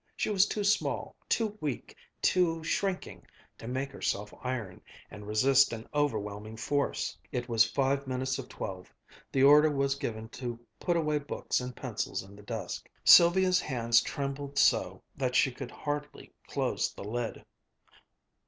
She was too small, too weak, too shrinking, to make herself iron, and resist an overwhelming force. It was five minutes of twelve. The order was given to put away books and pencils in the desks. Sylvia's hands trembled so that she could hardly close the lid.